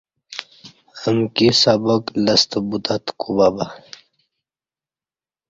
امکی سبق لستہ بوتت کو بہ بہ